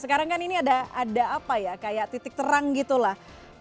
sekarang kan ini ada apa ya kayak titik terang gitu lah